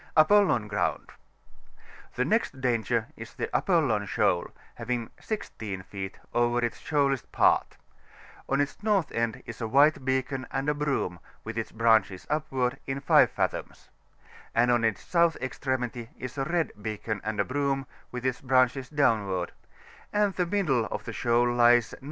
8 PILOTING DIRECTIONS FOR APO&&OK OBrOVHB. — ^The next dan^r is the Apollan Skoal^hsLying 16 feet over its shoalest part ; on its north end is a white beacon and a broom, with its branches upward, in 5 fathoms ; and on its south extremity is a red beacon and a broom, with its branches downward ; and the middle of the shoal lies N.E.